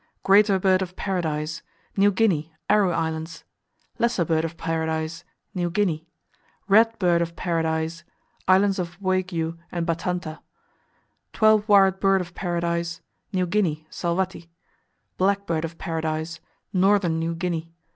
Greater Bird of Paradise New Guinea; Aru Islands. Lesser Bird of Paradise New Guinea. Red Bird of Paradise Islands of Waigiou and Batanta. Twelve Wired Bird of Paradise New Guinea, Salwatti. Black Bird of Paradise Northern New Guinea.